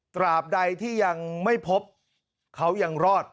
ตราบใดที่ยังไม่พบเขายังรอด